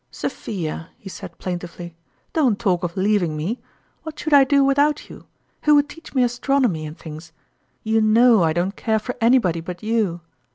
Sophia," he said plaintively, " don't talk of leaving me ! What should I do without you? Who would teach me Astronomy and things ? You know I don't care for anybody but you!